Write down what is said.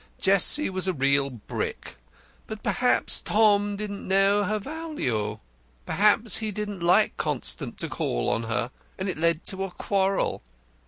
Jessie was a real brick. But perhaps Tom didn't know her value. Perhaps he didn't like Constant to call on her, and it led to a quarrel.